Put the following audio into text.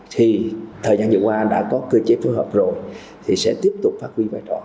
thì thời gian vừa qua đã có cơ chế phối hợp rồi thì sẽ tiếp tục phát huy vai trò